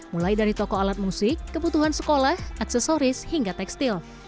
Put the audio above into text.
mulai dari toko alat musik kebutuhan sekolah aksesoris hingga tekstil